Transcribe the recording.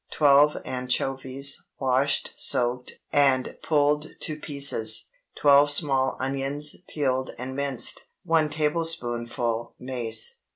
12 anchovies, washed, soaked, and pulled to pieces. 12 small onions, peeled and minced. 1 tablespoonful mace.